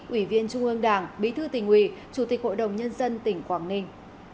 ủy viên trung ương đảng bí thư tỉnh ủy chủ tịch hội đồng nhân dân tỉnh quảng ninh